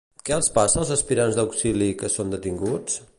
Què els passa als aspirants d'auxili que són detinguts?